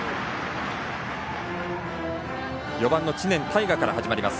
４番の知念大河から始まります。